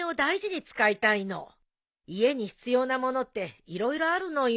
家に必要な物って色々あるのよ。